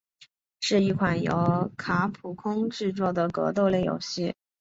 是一款由卡普空制作的格斗类游戏。